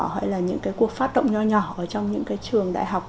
hay là những cái cuộc phát động nhỏ nhỏ ở trong những cái trường đại học